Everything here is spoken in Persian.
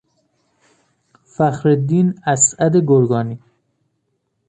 فخرالدین اسعد گرگانی